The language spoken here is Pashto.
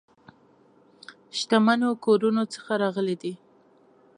شتمنو کورونو څخه راغلي دي.